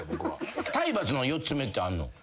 体罰の４つ目ってあんの？